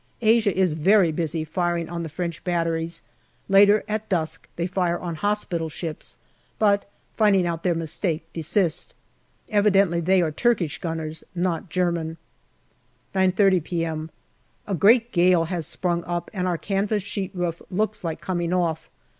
Asia is very busy firing on the French batteries ; later, at dusk, they fire on hospital ships, but finding out their mistake, desist. Evidently they are Turkish gunners, and not German. 9.30 p.m. A great gale has sprung up, and our canvas sheet roof looks like coming off.